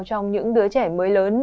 trong những đứa trẻ mới lớn